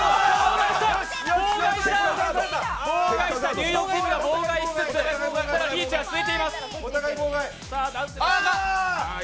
ニューヨークチームが妨害しつつ、ただリーチは続いています。